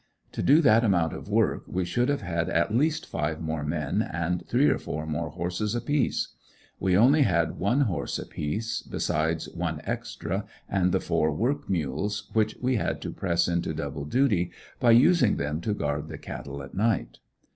To do that amount of work we should have had at least five more men, and three or four more horses apiece. We only had one horse apiece, besides one extra, and the four work mules, which we had to press into double duty by using them to guard the cattle at night.